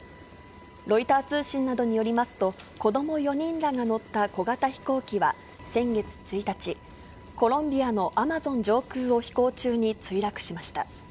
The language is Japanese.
ロイター通信などによりますと、子ども４人らが乗った小型飛行機は先月１日、コロンビアのアマゾン上空を飛行中に墜落しました。